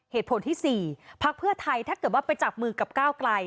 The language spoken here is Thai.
เหตุผลที่๔พักเพื่อไทยถ้าเกิดว่าไปจับมือกับก้าวไกล